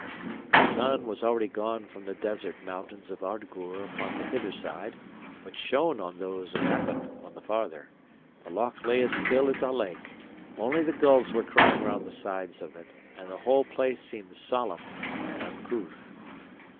The sun was already gone from the desert mountains of Ardgour upon the hither side, but shone on those of Appin on the farther; the loch lay as still as a lake, only the gulls were crying round the sides of it; and the whole place seemed solemn and uncouth.